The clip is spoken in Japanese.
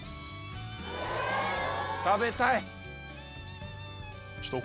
食べたい！